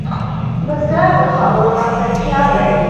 بزګر د خاورو نازک خیال لري